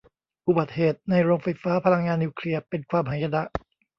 อุบัติเหตุในโรงไฟฟ้าพลังงานนิวเคลียร์เป็นความหายนะ